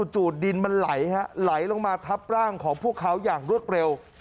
ดินมันไหลลงมาทับร่างของพวกเขาอย่างรวดเร็ว